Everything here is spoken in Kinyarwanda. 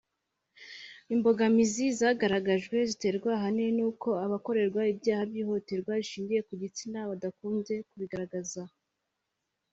Imbogamizi zagaragajwe ziterwa ahanini n’uko abakorerwa ibyaha by’ihohoterwa rishingiye ku gitsina badakunze kubigaragaza